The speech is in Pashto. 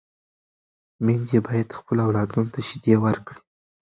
میندې باید خپلو اولادونو ته شیدې ورکړي.